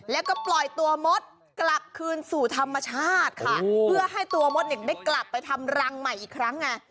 แล้วก็ปล่อยตัวมดกลับคืนสู่ธรรมชาติค่ะเพื่อให้ตัวมดเนี่ยได้กลับไปทำรังใหม่อีกครั้งไง